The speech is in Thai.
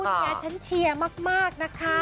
คู่นี้ฉันเชียร์มากนะคะ